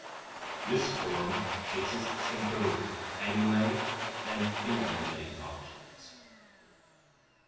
This form exists in both animate and inanimate objects.